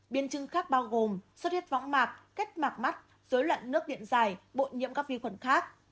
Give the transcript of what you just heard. biên chứng khác bao gồm xuất hiếp võng mạc kết mạc mắt dối loạn nước điện dài bộ nhiễm các vi khuẩn khác